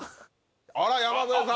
あら山添さん。